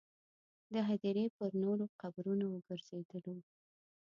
د هدیرې پر نورو قبرونو وګرځېدلو.